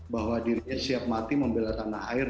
bahwa dirinya siap mati membela tanah air